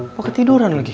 apa ketiduran lagi